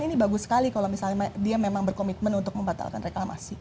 ini bagus sekali kalau misalnya dia memang berkomitmen untuk membatalkan reklamasi